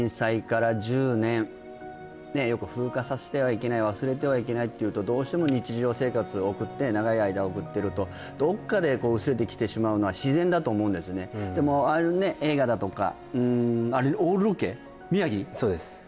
よく風化させてはいけない忘れてはいけないっていうとどうしても日常生活を送って長い間送ってるとどっかで薄れてきてしまうのは自然だと思うんですよねでもああいうね映画だとかあれオールロケ？